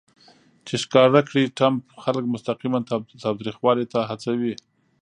چې ښکاره کړي ټرمپ خلک مستقیماً تاوتریخوالي ته هڅوي